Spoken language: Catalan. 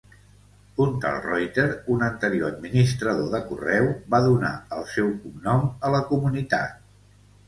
Un tal Reuter, un anterior administrador de correu, va donar el seu cognom a la comunitat.